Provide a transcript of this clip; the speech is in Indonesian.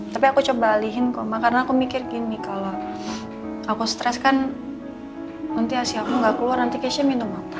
tapi aku coba alihin kok makanya aku mikir gini kalau aku stress kan nanti asiaku gak keluar nanti keisha minum apa